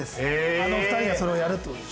あの２人がそれをやるってことです